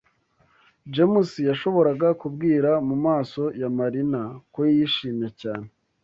James yashoboraga kubwira mumaso ya Marina ko yishimye cyane.